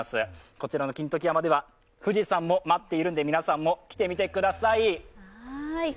こちらの金時山では富士山も待っているので皆さんも来てみてください。